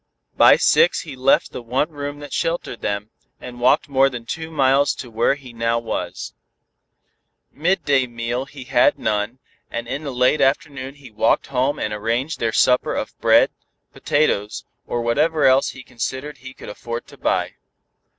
By six he left the one room that sheltered them, and walked more than two miles to where he now was. Midday meal he had none, and in the late afternoon he walked home and arranged their supper of bread, potatoes, or whatever else he considered he could afford to buy.